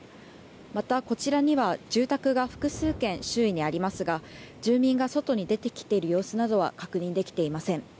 また、こちらには住宅が複数軒周囲にありますが住民が外に出てきている様子などは確認できていません。